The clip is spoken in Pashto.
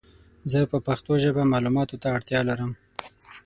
زه په پښتو ژبه مالوماتو ته اړتیا لرم